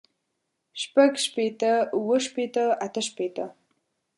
شپږ شپېته اووه شپېته اتۀ شپېته